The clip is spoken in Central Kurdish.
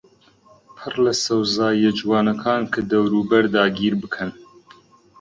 پڕ لە سەوزاییە جوانەکان کە دەوروبەر داگیربکەن